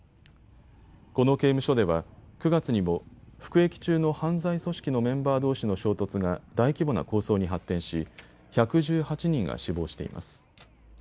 この刑務所では９月にも服役中の犯罪組織のメンバーどうしの衝突が大規模な抗争に発展し１１８人が死亡しています。